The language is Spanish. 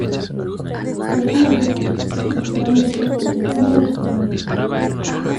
Lerma huyó a París, recuperando el puesto de decano de la Sorbona.